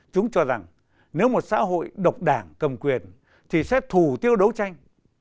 chúng cho rằng nếu một xã hội độc đảng cầm quyền thì sẽ thù tiêu đấu tranh